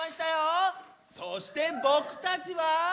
そしてぼくたちは。